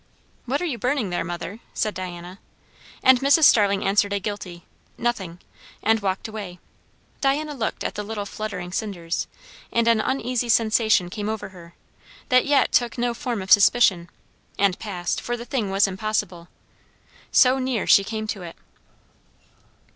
"What are you burning there, mother?" said Diana. And Mrs. Starling answered a guilty "Nothing," and walked away. Diana looked at the little fluttering cinders, and an uneasy sensation came over her, that yet took no form of suspicion; and passed, for the thing was impossible. So near she came to it.